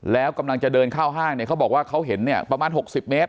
แล้วกำลังจะเดินเข้าห้างเนี่ยเขาบอกว่าเขาเห็นเนี่ยประมาณ๖๐เมตร